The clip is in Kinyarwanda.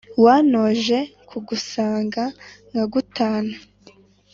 wantoje kugusanga nkagutana